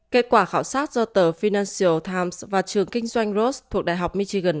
kết quả khảo sát do tờ financial times và trường kinh doanh ross thuộc đại học michigan